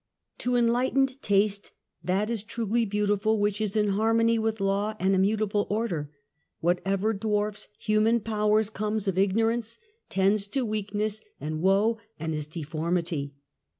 To enlightened taste that is truly beautiful which is in harmony with law and immutable order. What ever dwarfs human powers comes of ignorance, tends to weakness and woe, and is deformity.